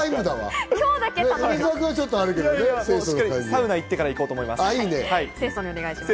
サウナ行ってから行こうと思います。